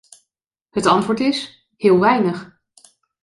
Het antwoord is: heel weinig.